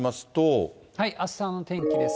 あしたの天気です。